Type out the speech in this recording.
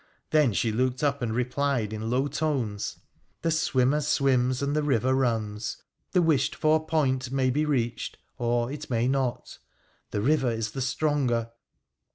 Then she looked up and replied, in low tones —' The swimmer swims and the river runs, the wished for point may be reached or it may not, the river is the stronger.'